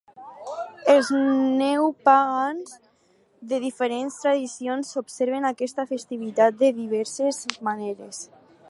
Els neopagans de diferents tradicions observen aquesta festivitat de diverses maneres.